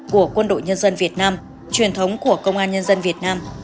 của quân đội nhân dân việt nam truyền thống của công an nhân dân việt nam